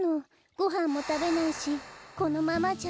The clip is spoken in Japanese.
ごはんもたべないしこのままじゃ。